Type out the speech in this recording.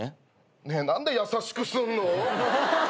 ねえ何で優しくすんの？